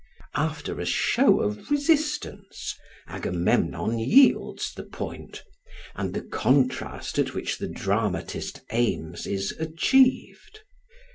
After a show of resistance, Agamemnon yields the point, and the contrast at which the dramatist aims is achieved.